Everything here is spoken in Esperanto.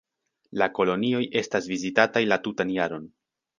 La kolonioj estas vizitataj la tutan jaron.